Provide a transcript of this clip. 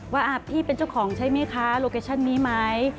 ว่าพี่เป็นเจ้าของใช่ไหมคะโลเคชั่นนี้ไหม